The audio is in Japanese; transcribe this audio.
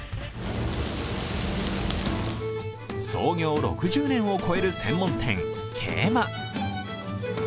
創業６０年を超える専門店、桂馬。